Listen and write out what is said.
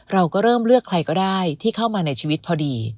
เราก็เริ่มเลือกใครก็ได้ที่เข้ามาในชีวิตพอดี